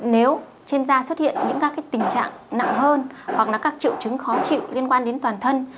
nếu trên da xuất hiện những các tình trạng nặng hơn hoặc là các triệu chứng khó chịu liên quan đến toàn thân